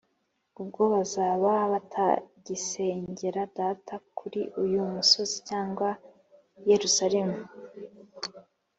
ubwo bazaba batagisengera Data kuri uyu musozi cyangwa i Yerusalemu